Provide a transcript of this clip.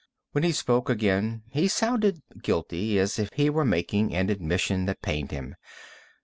When he spoke again, he sounded guilty, as if he were making an admission that pained him.